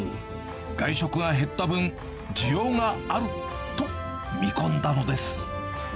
外食が減った分、需要があると見込んだのです。